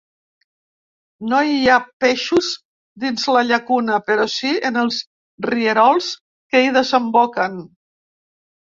No hi ha peixos dins la llacuna però sí en els rierols que hi desemboquen.